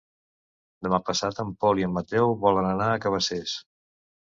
Demà passat en Pol i en Mateu volen anar a Cabacés.